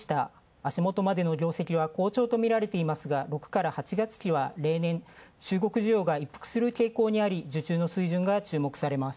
足元までの業績は好調とみられていますが６から８月期は例年、中国需要が一服、受注の水準が注目されます。